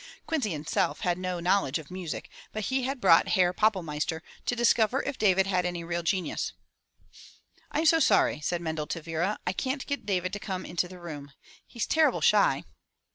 Quincy himself had no knowledge of music, but he had brought Herr Pappelmeister to discover if David had any real genius. "Fm so sorry,'* said Mendel to Vera. "I can't get David to come into the room. He's terrible shy."